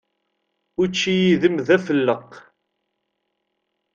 Učči yid-m d afelleq.